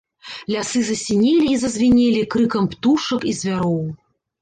Лясы засінелі і зазвінелі крыкам птушак і звяроў.